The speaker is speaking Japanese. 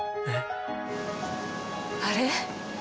あれ？